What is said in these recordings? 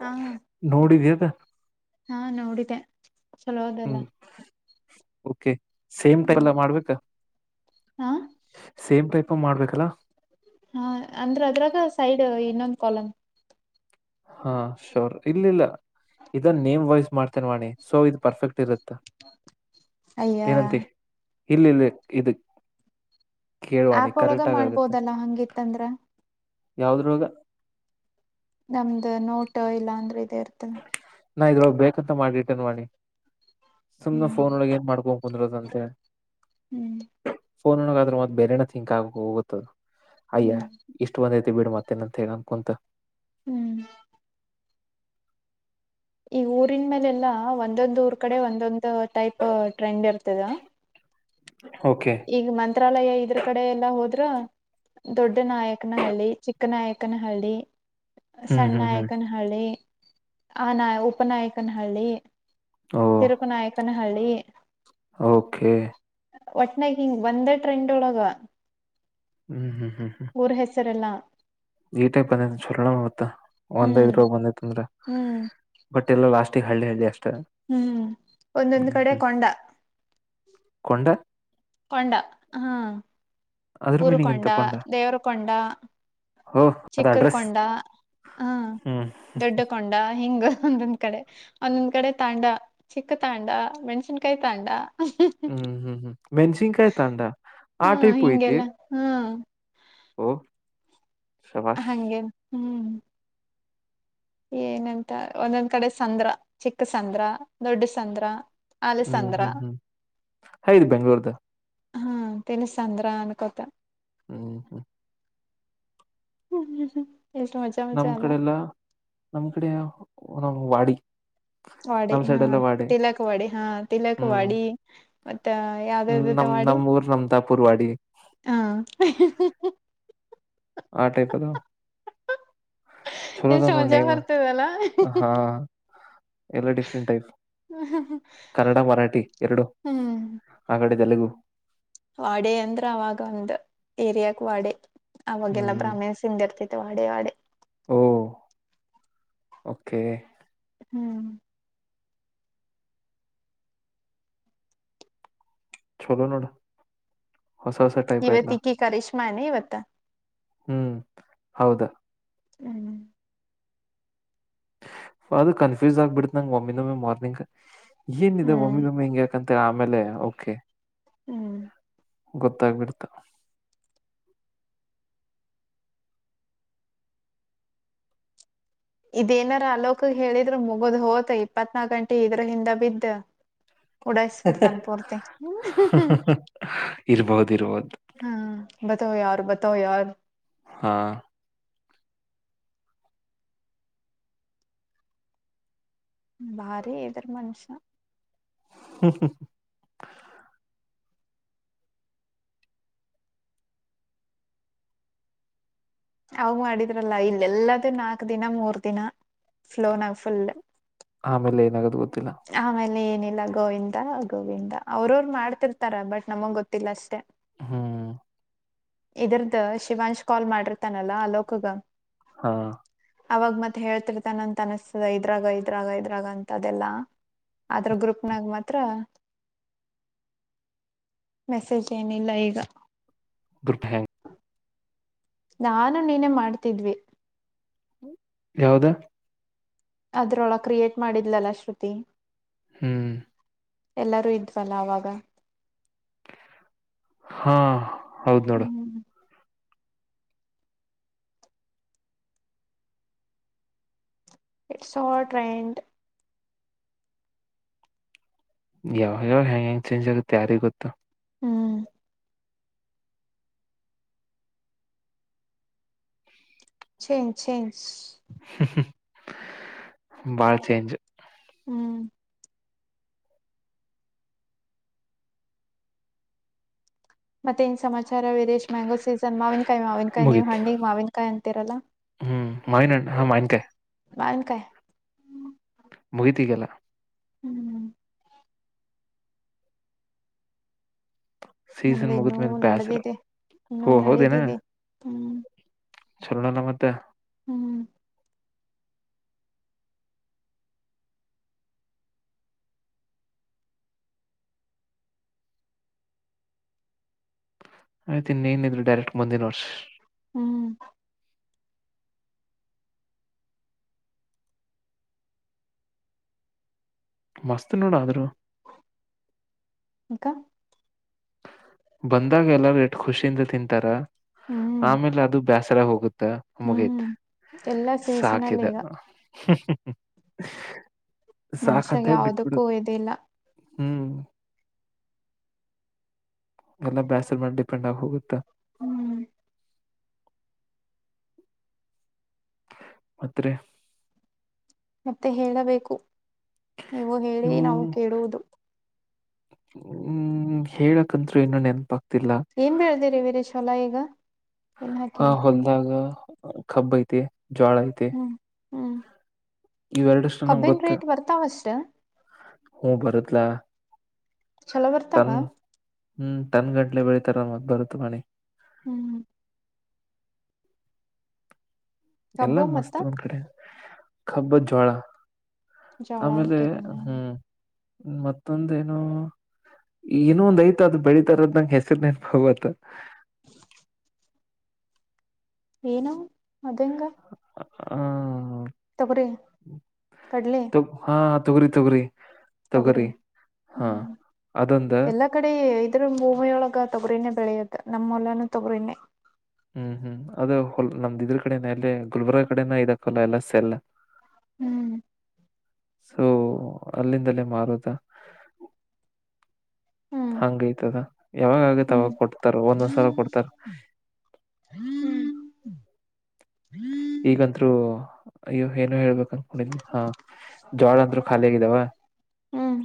ಹಾ ನೋಡಿದ್ಯದ ಹಾ ನೋಡಿದ್ದೆ ಚಲೋದಲ್ಲ ಕೆ ಸೇಮ್ ಟೈಲ್ಲ ಮಾಡ್ಬೇಕಾ ಹ ಸೇಮ್ ಟೈಪ್ ಅ್ಬೇಕಲ್ಲಾ ಹಾ ಅಂದ್ರೆ ಅದ್ರಾಗ ಸೈಡ್ ಇನ್ನೊಂದು್ ಕಾಲನ್ ಹಾ ಶೋರ್ ಇಲ್ಲ ಇಲ್ಲ ಇದ ನೇಮ್ ವೈಸ್ ಮಾಡ್ತೇನೆ ವಾಣಿ ಸೊ ಇದು ಪರ್ಫೆಕ್ಟ್ ಇರುತ್ತ ಅಯ್ಯ ಏನಂತ ಇಲ್ಲ ಇಲ್ಲಿ ಇದು ಕೇಳವಾಣಿ ಆಪ್ ಒಳಗ ಕರೆಕ್ಟ್ ಆಗ ಮಾಡ್ಬೋದಲ್ಲಾ ಹಂಗಿತ್ತಂದ್ರ ಯಾವದ್ರೋಗ ನಮ್ದ ನೋಟ ಇಲ್ಲ ಅಂದ್ರೆ ಇದೇ ಇರ್ತದೆ ನಾ ಇದ್ರೊಳಗೆ ಬೇಕಂತ ಮಾಡಿಟನ್ ಮಾಡಿ ಸುಮ್ನೆ ಹ್ಮ್ ಫೋನ್ೊಳಗೆ ಏನ್ ಮಾಡ್ಕೊಂಡು ಕುಂದರದ ಅಂತೆೇಳ ಹ್ಮ್ ಫೋನ್ ಒಣಗಾದ್ರೆ ಮದ್ ಬೇರೆಣ್ಣ ಥಿಂಕ್ ಆಗ ಹೋಗುತ್ತದು ಅಯ್ಯ ಹ್ಮ್ ಇಷ್ಟು ಒಂದ ತಿ ಬಿಡು ಮತ್ತೆನ ಅಂತ ಹೇಗ ಅನ್ ಕುಂತ ಹ್ಮ್ ಈ ಊರಿನ್ ಮೇಲೆ ಎಲ್ಲಾ ಒಂದೊಂದ್ ಊರ್ ಕಡೆ ಒಂದೊಂದ್ ಟೈಪ್ ಟ್ರೆಂಡ್ ಇರ್ತದ ಓಕೆ ಈಗ ಮಂತ್ರಾಲಯ ಇದ್ರ ಕಡೆ ಎಲ್ಲಾ ಹೋದ್ರ ದೊಡ್ಡ ನಾಯಕನ ಹಳ್ಳಿ ಚಿಕ್ಕ ನಾಯಕನ ಹಳ್ಳಿ ಹ್ಮ್ ಸಣ್ಣ ಹ್ಮ್ ಹ್ಮ್ ನಾಯಕನಹಳ್ಳಿ ಆ ನಾಯ ಉಪನಾಯಕನಹಳ್ಳಿ ಓ ತಿರುಪು ನಾಯ್ಕನಹಳ್ಳಿ ಓಕೆ ಒಟ್ನಾಗಿ ಹಿಂಗ ಒಂದೇ ಟ್ರೆಂಡ್ ಒಳಗ ಹ್ಮ್ ಹ್ಮ್ ಹ್ಮ್ ಹ್ಮ್ ಹೆಸರೆಲ್ಲ ಈ ಟೈಪ್ ಬಂದೈ ಜರ್ಣ ಮತ್ತ ಒಂದ್ ಹ್ಮ್ ಐದ್ ರೂಪ ಬಂದೈತ್ ಅಂದ್ರ ಹ್ಮ್ ಬಟ್ ಎಲ್ಲ ಲಾಸ್ಟಿಗೆ ಹಳ್ಳೆ ಹಳ್ಳಿ ಅಷ್ಟು ಹ್ಮ್ ಒಂದೊಂದ್ ಕಡೆ ಕೊಂಡ ಕೊಂಡ ಕೊಂಡ ಹ್ಮ ಅದ್ರ ಮೀನಿಂಗ್ ಎಂತ ಊರುಕೊೊಂಡ ಕೊಂಡ ದೇವರಕೊೊಂಡ ಹೋ ಅದ ಅಡ್ರೆಸ್ ಚಿಕ್ಕದಕೊಂಡ ಹ್ಮ ಹ್ಮ್ ದೊಡ್ಡ ಕೊಂಡ ಹಿಂಗ ಒಂದೊಂದ್ ಕಡೆ ಒಂದೊಂದ್ ಕಡೆ ತಾಂಡ ಚಿಕ್ಕ ತಾಂಡ ಮೆಣ್ಸಿನ್ಕಾಯಿ ತಾಂಡ ಹ್ಮ್ ಹ್ಮ್ ಹ್ಮ್ ಮೆಣಸಿನ್ಕಾಯ ತಾಂಡಾ ಆ ಹಾ ಟೈಪ್ ಯತಿ ಹಿಂಗೆಲ್ಲ ಹಾ ಹಓ ಹಂಗೇ ಹ್ಮ್ ಏನಂತ ಒಂದೊಂದ್ ಕಡೆ ಸಂದ್ರ ಚಿಕ್ಕಸಂದ್ರ ದೊಡ್ಡಸಂದ್ರ ಹ್ಮ್ ಅಲಸಂದ್ರ ಹ್ಮ್ ಹ್ಮ್ ಹ ಇದು ಬೆಂಗ್ಳೂರ್ದ ಹಾ ತಿನ್ನಿಸ್ಂದ್ರ ಅನ್ಕೊತ ಹ್ಮ ಹ್ಮ ಹ್ಮ ಹ್ಮ್ಮ್ ಎಷ್ಟ ಮಾಡ ನಮ್ ಕಡೆಲ್ಲ ನಮ್ ಕಡೆ ನ ವಾಡಿ ವಡಿ ನಮ್ ಹಾ ಸೈಡ್ ಎಲ್ಲ ವಾಡಿ ತಿಲಕವಾಡಿ ಹಾ ಹ್ಮ್ ತಿಲಕವಾಡಿ ಮತ್ತ ಯಾವ್ದತೆ ನಮ್ ಮಾಡಡಿ ನಮ್ ಊರ್ ನಮ್ ತಾಪೂರ್ ವಾಡಿ ಹಾ ಆ ಟೈಪದಾವ ಚೊಲೋ ತ ಎಷ್ಟು ಮಜಾ ನೇಮ ಬರ್ತದಲ್ಲ ಹಾ ಎಲ್ಲ ಡಿಫ್ರೆಂಟ್ ಟೈಪ್ ಕನ್ನಡ ಮರಾಠಿ ಎರಡು ಹ್ಮ್ ಆ ಕಡೆ ತೆಲುಗು ವಾಡೆ ಅಂದ್ರ ಅವಾಗ ಒಂದ್ ಏರಿಯಾಕ್ ವಾಡೆ ಅವಾಗೆಲ್ಲಾ ಹ್ಮ್. ಬ್ರಾಹೀಣ್ಸ್ಿಂದ ಇರ್ತೈತೆ ವಾಡ ವಾ ಓ ಓಕೆ ಹ್ಮ್ ಚಲೋ ನೋಡ ಹೊಸ ಹೊಸ ಟೈಪ್ ಎಲ್ಲ ಇವತ್ತ ಈಕ್ಕಿ ಕಶ್ಮಾನೆ ಇವತ್ತ ಹ್ಮ್ ಹೌದಾ ಹ್ಮ್ ಅದು ಕನ್ಫ್ಯೂಸ್ ಆಗ್ಬಿಡತ ನಂಗೆ ಒಮ್ಮಿಿನೊಮ್ಮೆ ಮಾರ್ನಿಂಗ್ ಏನಿದೆ ಹ್ಮ್ ಒಮ್ಮಿನೊಮ್ಮೆ ಹಿಂಗಗೆ ಂತ ಆಮೇಲೆ ಕೆ ಹ್ಮ್ ಗೊತ್ತಾಗಬಿಡ್ತಾ ಇದೇನಾರ ಅಲೋಕ ಹೇಳಿದ್ರರು ಮುಗದ್ ಹೋತ ಇಪ್ಪತ್ನಾಕ ಗಂಟೆ ಇದ್ರ ಹಿಂದ ಬಿದ್ದ ಉಡಸ್ಪಡ್ತಾನ ಪರತೆ ಇರ್ಬಹುದು ಇರ್ಬಹುದು ಹ್ಮ್ ಬತವ ಯಾರು ಬತೋ ಯಾರು ಹಾ ಭಾರಿ ಇದರ ಮನುಷ್ಯ ಹ್ಮ್ ಹ್ಮ್ ಅವ ಮಾಡಿದ್ರಲ್ಲ ಇಲ್ಲೆಲ್ಲದ ನಾಕ್ ದಿನ ಮೂರ್ ದಿನ ಫ್ಲೋನಾಗ ಫುಲ್ ಆಮೇಲೆ ಏನಾಗದು ಗೊತ್ತಿಲ್ಲ ಆಮೇಲೆ ಏನಿಲ್ಲ ಗೋವಿಂದ ಗೋವಿಂದ ಅವ್ರವರು ಮಾಡ್ತಿರ್ತಾರ ಬಟ್ ನಮಗ್ ಗೊತ್ತಿಲ್ಲ ಅಷ್ಟೇ ಹ್ಮ್ ಇದ್ದರಿಂದ್ದು ಶಿವಾಂಚ್ ಕಾಲ್ ಮಾಡಿರ್ತಾನಲ್ಲಾ ಅಲೋಕಿಗೆ ಹಾ ಅವಾಗ ಮತ್ತೆ ಹೇಳ್ತಿರ್ತಾನ ಅಂತ ಅನಿಸ್ತದ ಇದ್ರಾಗ ಇದ್ರಾಗ ಇದ್ರಾಗ ಅಂತ ಅದೆಲ್ಲಾ ಅದ್ರ ಗ್ರೂಪ್ನಾಗ ಮಾತ್ರ [inaudible] ಮೆಸೇಜ್ ಏನಿಲ್ಲ ಈಗ [unintelligible] ನಾನು ನೀನೇ ಮಾಡ್ತಿದ್ವಿ ಯಾವುದು ಅದ್ರೊಳ ಕ್ರಿಯೇಟ್ ಮಾಡಿದ್ಲಲ್ಲ ಶ್ರುತಿ ಹ್ಮ್ ಎಲ್ಲಾರೂ ಇದ್ವಲ್ಲ ಅವಾಗ ಹಾ ಹೌದ್ ನೋಡು ಹ್ಮ್ ಇಟ್ಸ್ ಆಲ್ ಟ್ರೆಂಡ್ ಯಾವಾಗ ಯಾವ ಹೆಂಗ್ ಹೆಂಗ್ ಚೇಂಚ್ ಆಗುತ್ತೆ ಯಾರಿಗೆ ಗೊತ್ತು ಹ್ಮ್ ಚೇಂಜ್ ಚೇಂಜ್ ಬಾಳ ಚೇಂಜ್ ಹ್ಮ್ ಮತ್ತೆ ಏನ್ ಸಮಾಚಾರ ವೀರೇಶ್ ಮ್ಯಾಂಗೋ ಸೀಸನ್ ಮಾವಿನಕಾಯಿ ಮಾವಿನ ಕಾಯಿ ನೀವ ಮುಗೀತ್ ಹಣ್ಣಿಗೆ ಮಾವಿನ ಕಾಯಿ ಅಂತಿರಲ್ಲ ಮಾವಿನ್ಣ ಹಣ್ಣು ಮಾವಿನಕಾಯಿ ಮಾವಿನಕಾಯಿ ಮುಗೀತು ಈವಾಗ ಎಲ್ಲಾ ಹ್ಮ್ ಹ್ಮ ನಮ್ದು ಸೀಸನ್ ಇನ್ನೂ ಮುಗಿದ್ಮೇಲೆ ಬ್ಯಾಸರ ನಡೆದಿದೆ ಇನ್ನೂ ಓ ಹೌದೇನೋ ನಡೆದಿದೆ ಹ್ಮ್ ಚಲೋನೆ ಮತ್ತೆ ಹ್ಮ್ ಆಯ್ತ ಇನ್ನೇನಿದ್ರೂ ಡೈರೆಕ್ಟ್ ಮುಂದಿನ್ ವರ್ಷ್ ಹ್ಮ್ ಮಸ್ತ್ ನೋಡ ಆದ್ರನು ಯಾಕ ಬಂದಾಗ ಎಲ್ಲಾರೂ ಎಷ್ಟ ಖುಷಿಯಿಂದ ತಿಂತಾರ ಹ್ಮ್ ಆಮೇಲೆ ಅದು ಬೇಸರ ಆಗೋಗುತ್ತೆ ಹ್ಮ್ ಮುಗಿತ್ತು ಎಲ್ಲಾ ಸೀಸನಲ್ ಸಾಕ್ಯಿದು ಈಗ ಮನುಷ್ಯಾಗ ಸಾಕಂರೆ ಬಿಟ್ಬಿಬಿಡು ಯಾವದಕ್ಕೂ ಇದಿಲ್ಲ ಹ್ಮ್ ಎಲ್ಲ ಬೇಸರ್ ಮಾಡಿ ಡಿಪೆಂಡ್ ಆಗಿಹೋಗುತೆ ಹ್ಮ್ ಮತ್ತೆ ಮತ್ತೆ ಹೇಳಬೇಕು ನೀವು ಹೇಳಿ ನಾವು ಕೇಳುವುದು ಹ್ಮ್ ಹೇಳಕಂತ ಏನು ನೆನಪಾಗ್ತಿಲ್ಲ ಏನ್ ಬೆಳ್ದಿರಿ ವೀರೇಶ್ ಹೊಲ ಈಗ ಏನ್ ಹಾಕಿರಿ ಹಾ ಹೊಲ್ದಾಗ ಕಬ್ಬು ಐತಿ ಜೋಳ ಐತಿ ಹ್ಮ್ ಹ್ಮ್ ಇವೆರಡಷ್ಟು ನಂಗೆ ಕಬ್ಬಿನ ರೇಟ್ ಬರ್ತಾವಷ್ಟ ಹ್ಮ್ ಬರುತ್ಲ ಚಲೋ ಬರ್ತಾವ ಹ್ಮ್ ಟನ್ ಗಂಟ್ಲೆ ಬೆಳತಾರ ಮತ್ ಬರುತ್ತ ಬಣಿ [unintelligible] ಹ್ಮ್ ಎಲ್ಲಾ ಕಬ್ಬು ಮತ್ತ ಮಸ್ತ್ ಒಂದ ಕಡೆ ಕಬ್ಬು ಜೋಳ ಜೋಳ ಆಮೇಲೆ ಹಾಕಿರೇನ ಹ್ಮ್ ಮತ್ತೊಂದ ಏನು ಇನೊಂದ ಐ್ತ ಅ್ ಬೆಳಿತಾರದ್ ನಂಗೆ ಹೆಸರ ನೆನಪು ಆಗ್ತಿಲ್ಲ ಹ ಏನು ಅದಂಗ ಹ ತೊಗರಿ ಕಡಲೆ ಹಾ ತೊಗರಿ ತೊಗರಿ ತೊಗರಿ ಹಾ ಅದೊಂದ ಆ ಕಡೆ ಇದ್ರ ಭೂಮಿಯೊಳಗ ತೊಗ್ರನೇ ಬೆಳೆಯದ ನಮ್ಮನೂ ತೊಗ್ರನೇ ಹ್ಮ್ ಹ್ಮ್ ಅದ ಹೊ ನಮ್ದ ಇದ್ರ ಕಡೆ ಅಲ್ಲೇ ಗುಲ್ಬರ್ಗ ಕಡೆನ ಇದಕಲ್ಲ ಎಲ್ಲ ಸ ಎಲ್ಲ ಹ್ಮ್ ಸೊ ಅಲ್ಲಿಂದಲೇ ಮಾರುದಾ ಹ್ಮ್ ಯಾವಾಗ ಆಗತ ಹ್ಮ್ ಆವಾಗ ಕೊಡ್ತಾರ ಒಂದ್ ಒಂದು ಸಲ ಕೊಡ್ತಾರ ಹ್ಮ್ ಹ್ಮ್ ಈಗಂದ್ರು ಅ ಏನು ಹೇಳ್ಬೇಕಂತ ಹಾ ಜೋಳ ಅಂದರು ಖಾಲಿ ಆಗಿದ್ದಾವ ಹ್ಮ್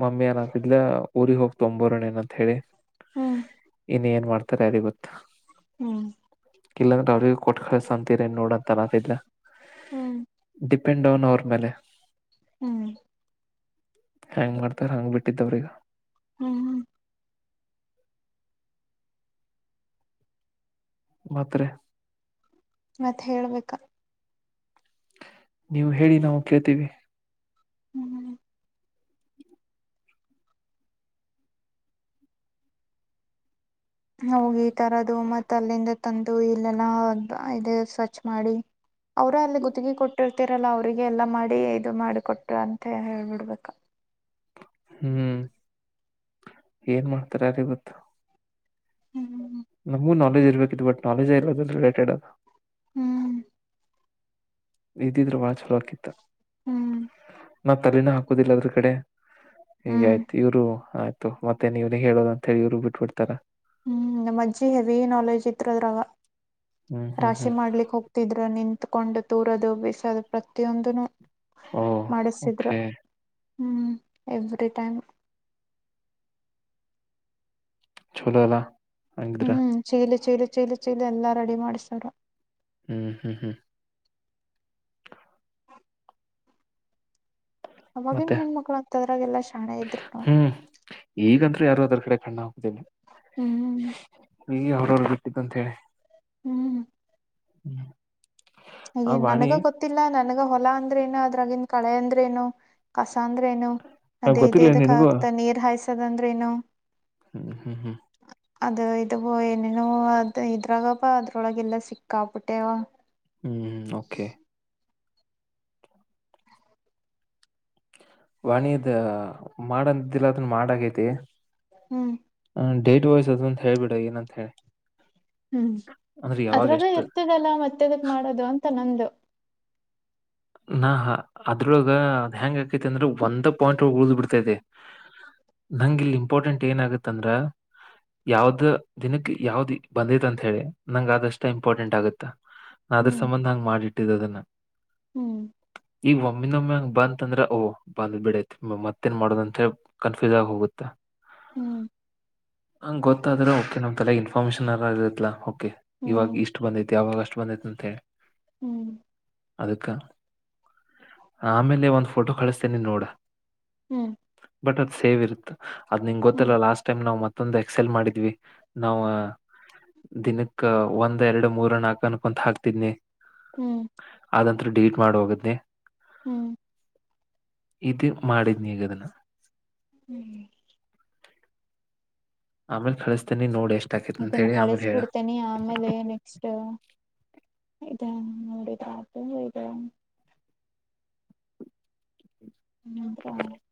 ಮಮ್ಮಿ ಏನ ಆತಿದ್ಲ ಊರಿಗೆಗ್ ಹೋಗ್ ತೊಂಬರ್ಣ ಏನಂತ ಹೇಳಿ ಇನ್ನು ಏನ್ ಮಾಡ್ತಾರೆ ಯಾರಿಗೆ ಗೊತ್ತ ಹ್ಮ್ ಇಲ್ಲಾಂದ್ರೆ ಅವ್ರಿಗೆ ಕೊಟ್ಟ ಕಲಸ ಅಂತರ ನೋಡಂತ ಅತಿದ್ರ ಹ್ಮ್ ಡಿ ಪಿಂಡವನ್ ಅವ್ರ ಮೇಲೆ [unintelligible] ಹ್ಮ್ ಹೆಂಗ್ ಮಾಡ್ತಾರೆ ಹಂಗಗೆ ಬಿಟ್ಟಿದ್ದ ಅವರಿಗೆ ಹ್ಮ್ ಮಾತ್ ಮತ್ತೆ ಹೇಳ್ಬೇಕಾ ನೀವು ಹೇಳಿ ನಾವು ಕೇಳ್ತೀವಿ ಹ್ಮ್ ಹೋಗಿ ಈ ತರದು ಮತ್ತ ಅಲ್ಲಿಂದ ತಂದು ಇಲ್ಲೆಲ್ಲ ಇ ಸ್ವಚ್ ಮಾಡಿ ಅವ್ರ ಅಲ್ಲಿ ಗುತ್ತಿಗೆ ಕೊಟ್ಟಿರ್ತರಲ್ಲ ಅವ್ರರಿಗೆ ಎಲ್ಲ ಮಾಡಿ ಇದು ಮಾಡಿಕೊಟ್ಟು ಅಂತ ಹೇಳ್ಬಿಡ್ಬೇಕಾ ಹ್ಮ್ ಏನ್ ಮಾಡ್ತಾರಾರವತ್ತು ಹ್ಮ್ ನಮಗೂ ನಾಲೆಜ್ ಇರ್ಬೇಕಿತ್ತು ಬಟ್ ನಾಲೆಜ್ ಇಲ್ಲದ್ರ ರಿಲೇಟೆಡ್ ಹ್ಮ್ ಇದಿದ್ರರು ಬಾಲ ಚಲೋ ಆಗಿತ್ತು ಹ್ಮ್ ನಾ ತಲೆನ ಹಾಕೋದಿಲ್ಲ ಅದರ ಕಡೆ ಹೀಗ ಆಯ್ತು ಇವರು ಆಯ್ತು ಮತ್ತೆ ನೀವಿಗೆ ಹೇಳೋದ ಅಂತ ಹೇಳಿ ಇಬ್ಬರು ಬಿಟ್ಬಿಡ್ತಾರ ಹ್ಮ್ ನಮ್ಮ ಅಜ್ಜಿ ಹೆವಿ ನಾಲೆಜ್ ಇತ್ ಅದ್ರ ಹ್ಮ್ ಹ್ಮ್ ಹ್ಮ್ ರಾಶಿ ಮಾಡ್ಲಿಕ್ ಹೋಗ ಇದ್ರ ನಿತ್ಕೊಂಡು ತೂರದು ಬಿಸದು ಪ್ರತಿಯೊಂದನು ಓಹ್ ಮಾಡಿಸಿದ್ರು ಓಕೆ ಹ್ಮ್ ಎಟ್ ಟೈಮ್ ಚಲೋ ಆಗದ ಹ್ಮ್ ಚೀಲಿ ಚೀಲಿ ಚೀಲಿ ಚೀಲಿ ಎಲ್ಲಾ ರೆಡಿ ಮಾಡ್ಸತಾರ ಹ್ಮ್ ಹ್ಮ್ ಹ್ಮ್ [unintelligible] ಆಮಗನ್ ಮತ್ತೆ ಹೆಣ್ಣ್ಮಕ್ಳ ಅಂತದ್ರಾಗ ಎಲ್ಲಾ ಶಾಣೆ ಇದ್ರು ನೋಡ ಈಗಂತ ಯಾರು ಅದರ ಕಡೆ ಕಣ್ಣ ಹೋಗ್ತೇನನೆ ಹ್ಮ್ ಈಗ ಹೊರವ ಬಿಟ್ಟ್ ಅಂತ ಹೇಳಿ ಹ್ಮ್ ಹ್ಮ್ ಈ ಆ ವಾಣಿ ನನಗ ಗೊತ್ತಿಲ್ಲ ನನಗ ಹೊಲ ಅಂದ್ರೆ ಏನು ಅದ್ರಾಗಿನ್ ಕಳೆ ಅಂದ್ರೇಏನು ಕಸ ಅಂದ್ರೇನು ಹ ಗೊತ್ತಿಲ್ಲ ಅದದೇದಕ್ಕ ನಿನಗೂ ಆಕ್ತ ನೀರ್ ಹಾಯಸದಂದ್ರೇನು ಹ್ಮ್ ಹ್ಮ್ ಹ್ಮ್ ಅದು ಇದು ಬ ಏನೇನೋ ಅದು ಇದ್ರಾಗ ಬಾ ಅದ್ರೊಳಗೆ ಎಲ್ಲ ಸಿಕ್ಕ ಆಕ್ಬಿಟ್ಟೆವ ಹ್ಮ್ ಓಕೆ ವಾಣಿದ ಮಾಡಂದಿಲ್ಲ ಅದನ್ ಮಾಡಗೈತಿ ಹ್ಮ್ ಹ ಡೇಟ್ ವೈಸ್ ಅದ ಅಂತ ಹ ಹೇಳಳ್ಬಿಡ ಏನಂತ ಹೇಳಿ ಹ್ಮ್ ಅಂದ್ರೆ ಯಾವಾಗ ಅದ್ರಾಗ ಎಷ್ಟ ಇರ್ತದಲ್ಲ ಮತ್ತೆದಕ್ ಮಾಡೋದು ಅಂತ ನಂದು ನಾ ಅದ್ರೊಳ ಹೆಂಗ ಆಕೈತಿ ಅಂದ್ರೆ ಒಂದ ಪಾಯಿಂಟ್ ಉಳ್ದ್ ಬಿಡ್ತೈತೆ ನಂಗ ಇಲ್ಲಿ ಇಂಪಾರ್ಟೆಂಟ್ ಏನ ಆಗತ್ತಂದ್ರ ಯಾವ್ದ ದಿನಕ್ಕೆ ಯಾವ್ದ್ ಬಂದೈತಂತ ಹೇಳಿ ನಂಗ ಅಷ್ಟ ಇಂಪಾರ್ಟೆಂಟ್ ಆಗತ್ತಾ ನಾ ಅದ್ರ ಹ್ಮ್ ಸಂಬಂಧ ಹಂಗ್ ಮಾಡಿಟ್ಟಿದ್ದ ಅದನ್ನ ಹ್ಮ್ ಈಗ ಒಮ್ಮಿನೊಮ್ಮೆ ಹಂಗ್ ಬಂತ ಅಂದ್ರೆ ಓ್ ಬಂದ್ ಬಿಡೈತಿ ಮತ್ತೇನ್ ಮಾಡೋದಂದ್ರ ಕನ್ಫ್ಯೂಸ್ ಆಗಿ ಹೋಗುತ್ತಾ ಹ್ಮ್ ಹಂಗ ಗೊತ್ತಾದ್ರೆ ಓಕೆ ನಮ್ ತಲೆ ಇನ್ಫಾರ್ಮೇಶನ್ ಇರುತ್ತಾ ಓಕೆ ಇವಾಗ ಹ್ಮ್ ಇಷ್ಟ ಅಷ್ಟ ಬಂದೈತಿ ಯಾವಾಗ ಅಷ್ಟ ಬಂದೈತ್ತ ಅಂತೆ ಹ್ಮ್ ಅದಕ್ಕೆ ಆಮೇ ಒಂದಂದು ಫೋಟೋ ಕಳಿಸ್ತೇನೆಿ ನೋಡ ಹ್ಮ್ ಬಟ್ ಅದ್ ಸೇವ್ ಇರುತ್ ಅದ್ ನಿಂ್ ಹ್ಮ್ ಗೊತ್ತಿಲ್ಲ ಲಾಸ್ಟ್ ಟೈಮ್ ನಾವ್ ಮತ್ತ ತೊಂದು ಎಕ್ಸೆಲ್ ಮಾಡಿದ್ವಿ ನಾವು ದಿನಕ್ಕ ಒಂದ್ ಎರಡು ಮೂರ ನಾಕು ಅನ್ಕೊಂತ ಹಾಕ್ತಿದ್ನಿ ಹ್ಮ್ ಅಂತರ ಡಿಲೀಟ್ ಮಾಡ ಹೋಗದ್ನೇ ಹ್ಮ್ ಇದು ಮಾಡಿದ ನೀಗ ಅದನ್ನು ಹ್ಞೂ ಆಮೇಲೆ ಕಳಿಸತೇನೆ ನೀ ನೋ ಎಷ್ಟು ಇದನ್ನ ಕಳಿಸ್ಬಿಡ್ತೇನೆ ಆಮೇಲೆ ನೆಕ್ಸ್ಟ್ ಇದಾ ನೋಡಿಿದ ಅ ಹ